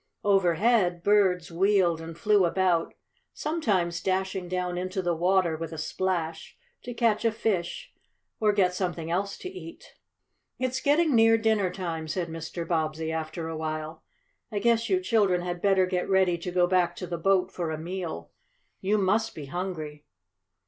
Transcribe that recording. Overhead, birds wheeled and flew about, sometimes dashing down into the water with a splash to catch a fish or get something else to eat. "It's getting near dinner time," said Mr. Bobbsey, after a while. "I guess you children had better get ready to go back to the boat for a meal. You must be hungry."